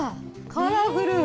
カラフル！